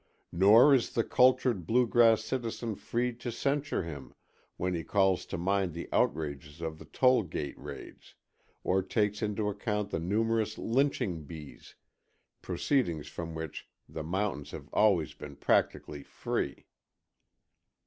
Nor is the cultured Blue Grass citizen free to censure him, when he calls to mind the outrages of the toll gate raids, or takes into account the numerous lynching bees, proceedings from which the mountains have always been practically free.